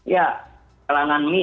ya kalangan mie ini